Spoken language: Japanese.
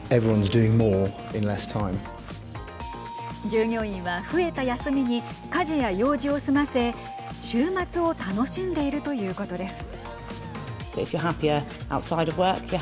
従業員は増えた休みに家事や用事を済ませ週末を楽しんでいるということです。